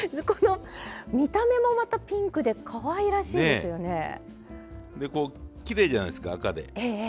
この見た目もまたピンクでかわいらしいですよね。